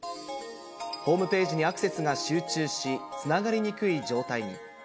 ホームページにアクセスが集中し、つながりにくい状態に。